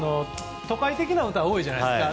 都会的な歌多いじゃないですか。